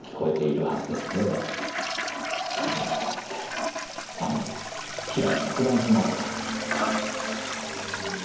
風に乗ってあの開いたフランス窓から。